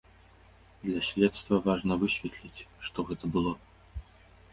Для следства важна, высветліць, што гэта было.